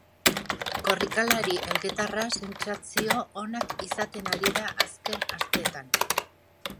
Korrikalari elgetarra sentsazio onak izaten ari da azken asteetan.